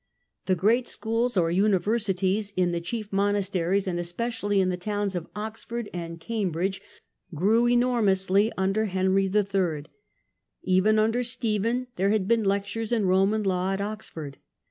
The great schools or universities, in the chief monasteries, and especially in the towns of Oxford and Cambridge, grew enormously under Henry III. Even under Stephen there had been lectures in Roman law at Oxford.